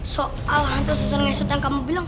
soal hantar susar nyesot yang kamu bilang